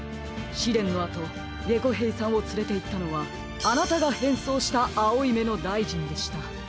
しれんのあとゲコヘイさんをつれていったのはあなたがへんそうしたあおいめのだいじんでした。